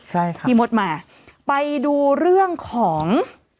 ใช่ค่ะพี่มดมาไปดูเรื่องของ